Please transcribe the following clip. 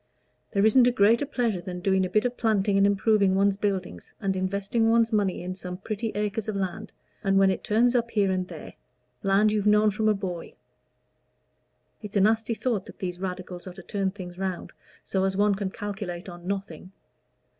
There isn't a greater pleasure than doing a bit of planting and improving one's buildings, and investing one's money in some pretty acres of land, and when it turns up here and there land you've known from a boy. It's a nasty thought that these Radicals are to turn things round so as one can calculate on nothing.